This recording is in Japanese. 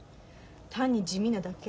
単に地味なだけ。